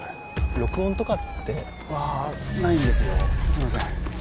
録音とかって？はないんですよすいません。